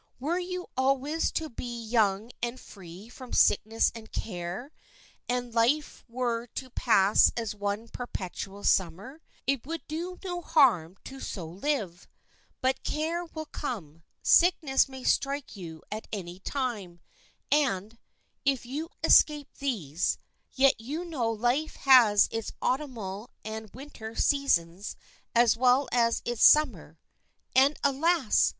Were you always to be young and free from sickness and care, and life were to pass as one perpetual Summer, it would do no harm to so live; but care will come, sickness may strike you at any time, and, if you escape these, yet you know life has its Autumnal and Winter seasons as well as its Summer. And, alas!